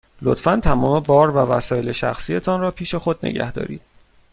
لطفاً تمام بار و وسایل شخصی تان را پیش خود نگه دارید.